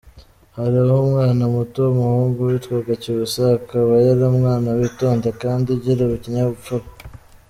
Hariho umwana muto w'umuhungu witwaga Cyusa, akaba yari umwana witonda kandi ugira ikinyabupfura.